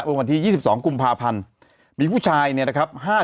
ว่าวันที่ยี่สิบสองกุมภาพันธ์มีผู้ชายเนี่ยนะครับ